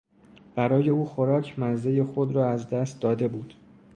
برای او خوراک مزهی خود را از دست داده بود.